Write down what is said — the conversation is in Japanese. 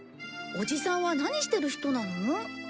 おじさんは何してる人なの？